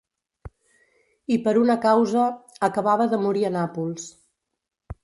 I per una causa…; acabava de morir a Nàpols.